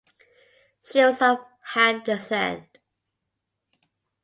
She was of Han descent.